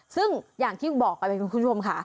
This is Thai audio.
ซึ่งอย่างที่บอกไปคุณผู้ชมค่ะ